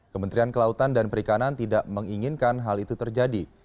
kementerian kelautan dan perikanan tidak menginginkan hal itu terjadi